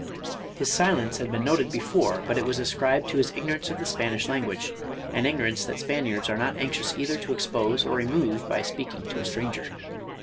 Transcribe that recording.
His silence had been noticed before, but it was ascribed to his ignorance of the Spanish language, an igno rance that Spaniards are not anxious either to expose or remove by speaking to a stranger.